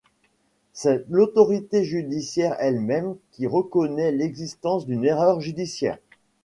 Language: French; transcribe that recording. C'est l'autorité judiciaire elle-même qui reconnaît l'existence d'une erreur judiciaire.